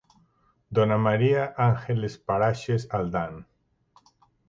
Dona María Ángeles Paraxes Aldán.